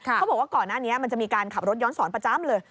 เขาบอกว่าก่อนหน้านี้มันจะมีการขับรถย้อนสอนประจำเลย